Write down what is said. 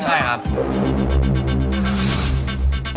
ใช่ครับ